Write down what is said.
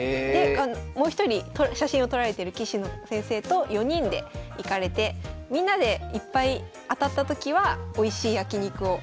もう一人写真を撮られてる棋士の先生と４人で行かれてみんなでいっぱい当たった時はおいしい焼き肉を。